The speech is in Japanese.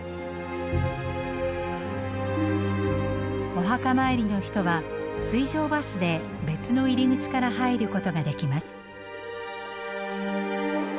お墓参りの人は水上バスで別の入り口から入ることができます。